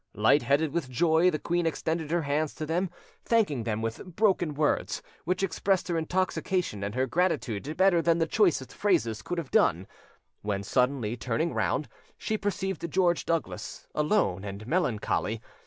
Light headed with joy, the queen extended her hands to them, thanking them with broken words, which expressed her intoxication and her gratitude better than the choicest phrases could have done, when suddenly, turning round, she perceived George Douglas, alone and melancholy.